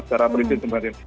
secara penelitian sebagainya